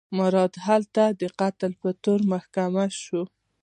مراد هلته د قتل په تور محاکمه شو.